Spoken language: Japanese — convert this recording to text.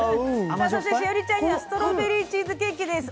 栞里ちゃんにはストロベリーチーズケーキです。